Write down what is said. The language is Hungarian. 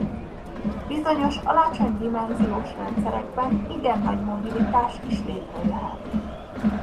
Bizonyos alacsony dimenziós rendszerekben igen nagy mobilitás is létrejöhet.